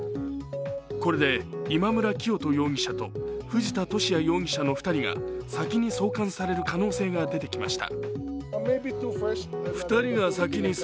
これで、今村磨人容疑者と藤田聖也容疑者の２人が先に送還される可能性が出てきました。